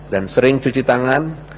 dan sering cuci tangan